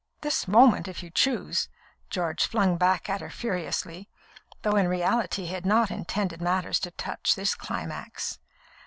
"This moment, if you choose," George flung back at her furiously, though in reality he had not intended matters to touch this climax.